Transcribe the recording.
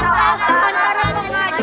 jangan jangan sampai saling